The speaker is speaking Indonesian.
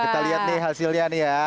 kita lihat nih hasilnya nih ya